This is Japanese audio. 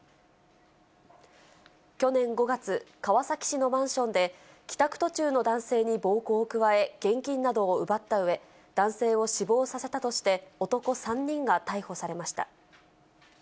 去年５月、川崎市のマンションで、帰宅途中の男性に暴行を加え、現金などを奪ったうえ、男性を死亡させたとして、男３人が逮捕されました。